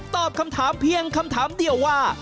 ตอบคำถามเพียงคำถามเดียวว่า